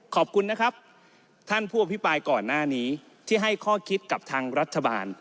ขอบคุณนะครับท่านผู้อภิปรายก่อนหน้านี้ที่ให้ข้อคิดกับทางรัฐบาล